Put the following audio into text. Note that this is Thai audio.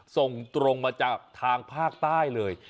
ส่งตรงมาจากทางภาคใต้เลย